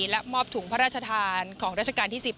และมอบถุงพระราชทานของราชการที่๑๐